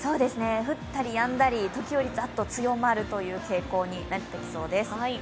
降ったりやんだり、時折ザッと強まる傾向になってきそうです。